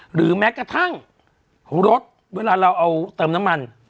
หรือแม้กระทั่งรถเวลาเราเอาเติมน้ำมัน